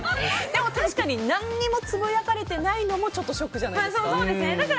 でも、確かに何もつぶやかれてないのもちょっとショックじゃないですか。